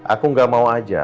aku gak mau aja